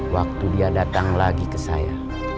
waktu dia datang lagi ke saya